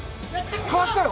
かわしたよ！